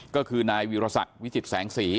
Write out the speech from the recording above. ก็คือนายวีรศักดิ์วิจิตแสงสี